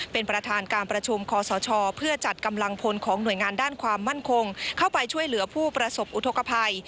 เป็นประธานการประชุมคอสชเพื่อจัดกำลังพลของหน่วยงานด้านความมั่นคงเข้าไปช่วยเหลือผู้ประสบอุทธกภัย